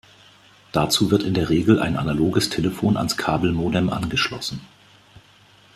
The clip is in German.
Dazu wird in der Regel ein analoges Telefon ans Kabelmodem angeschlossen.